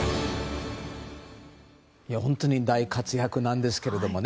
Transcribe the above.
本当に大活躍なんですけれどもね。